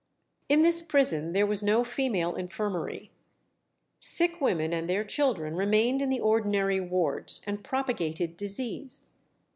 In this prison there was no female infirmary. Sick women and their children remained in the ordinary wards, and propagated disease.